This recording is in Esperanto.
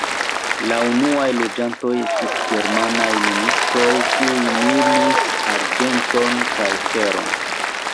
La unuaj loĝantoj estis germanaj ministoj, kiuj minis arĝenton kaj feron.